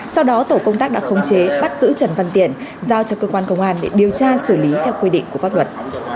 sau đó tổ công tác đã khống chế bắt giữ trần văn tiển giao cho cơ quan công an để điều tra xử lý theo quy định của pháp luật